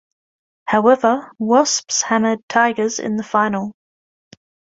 However, Wasps hammered Tigers in the final.